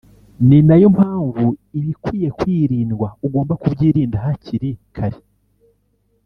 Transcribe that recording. ni nayo mpamvu ibikwiye kwirindwa ugomba kubyirinda hakiri kare